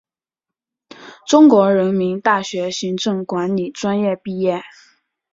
中国人民大学行政管理专业毕业。